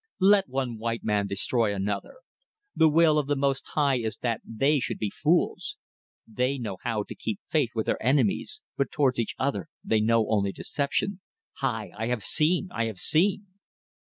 Let one white man destroy another. The will of the Most High is that they should be fools. They know how to keep faith with their enemies, but towards each other they know only deception. Hai! I have seen! I have seen!"